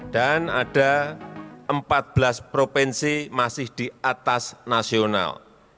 dan ada empat belas provinsi masih di atas nasional